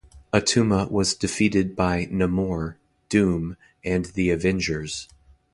Attuma was defeated by Namor, Doom, and the Avengers.